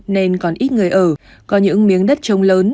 nên còn ít người ở có những miếng đất trông lớn